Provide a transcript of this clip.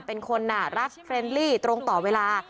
เป็นคนรักเทรนลี่ตรงต่อเวลา